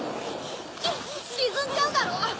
しずんじゃうだろ！